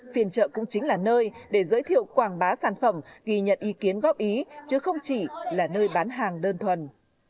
phiên chợ cũng chính là nơi để giới thiệu quảng bá sản phẩm ghi nhận ý kiến góp ý chứ không chỉ là nơi bán hàng đơn thuần